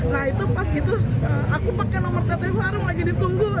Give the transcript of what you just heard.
nah itu pas gitu aku pakai nomor katanya sekarang lagi ditunggu